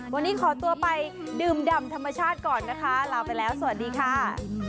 วันนี้ขอตัวไปดื่มดำธรรมชาติก่อนนะคะลาไปแล้วสวัสดีค่ะ